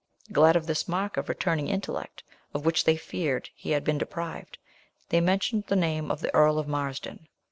Glad of this mark of returning intellect, of which they feared he had been deprived, they mentioned the name of the Earl of Marsden.